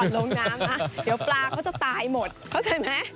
เดี๋ยวปลาเขาจะตายหมดเข้าใส่ไหม